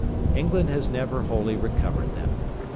England has never wholly recovered them.